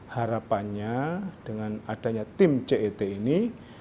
harapannya dengan adanya tim cet ini